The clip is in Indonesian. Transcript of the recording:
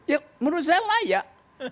ya menurut saya layak